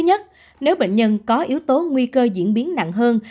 nếu bệnh nhân có yếu tố nguy cơ diễn biến nặng hơn